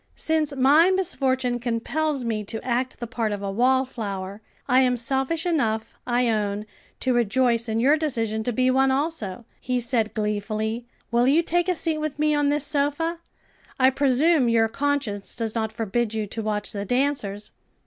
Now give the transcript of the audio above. "Since my misfortune compels me to act the part of a wallflower, I am selfish enough, I own, to rejoice in your decision to be one also," he said gleefully. "Will you take a seat with me on this sofa? I presume your conscience does not forbid you to watch the dancers?"